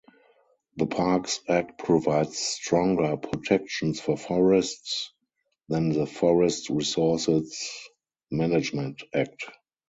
The Parks Act provides stronger protections for forests than the Forest Resources Management Act.